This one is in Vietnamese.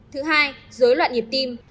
thứ hai dối loạn nhịp tim